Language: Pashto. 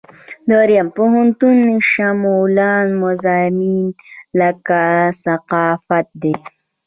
دریم پوهنتون شموله مضامین لکه ثقافت دي.